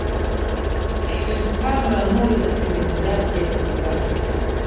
Ҳҳәынҭқарра анылеит ацивилизациатә мҩа.